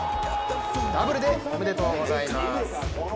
ダブルでおめでとうございます。